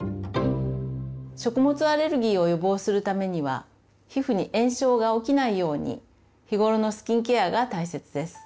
食物アレルギーを予防するためには皮膚に炎症が起きないように日頃のスキンケアが大切です。